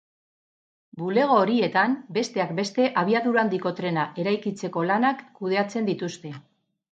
Bulego horietan, besteak beste, abiadura handiko trena eraikitzeko lanak kudeatzen dituzte.